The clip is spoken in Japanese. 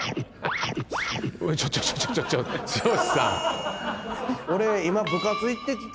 ちょちょちょちょ剛さん。